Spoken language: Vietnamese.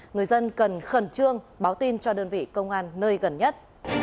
người dân cần khẩn trương báo tin cho đơn vị công an nơi gần nhất